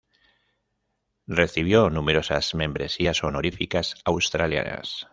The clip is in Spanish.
Recibió numerosas membresías honoríficas australianas.